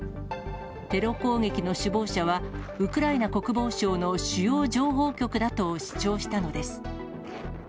テロ攻撃の首謀者は、ウクライナ国防省の主要情報局だと主張したのです。